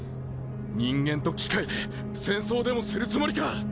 人間と機械で戦争でもするつもりか！